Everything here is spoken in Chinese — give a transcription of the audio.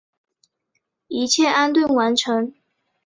一切安顿完成